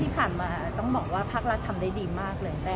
ภากรัชท์ทำได้ดีมากเลยนะ